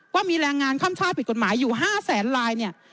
ว่ามีแรงงานค่ำชาติปิดกฎหมายอยู่๕แสนราย